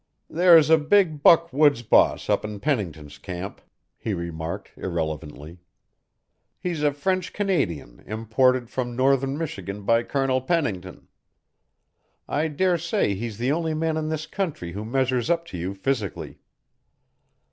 "There's a big buck woods boss up in Pennington's camp," he remarked irrelevantly. "He's a French Canadian imported from northern Michigan by Colonel Pennington. I dare say he's the only man in this country who measures up to you physically.